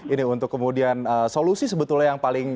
ini untuk kemudian solusi sebetulnya yang paling